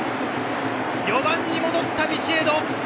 ４番に戻ったビシエド！